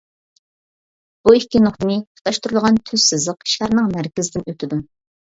بۇ ئىككى نۇقتىنى تۇتاشتۇرىدىغان تۈز سىزىق شارنىڭ مەركىزىدىن ئۆتىدۇ.